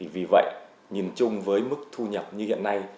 vì vậy nhìn chung với mức thu nhập như hiện nay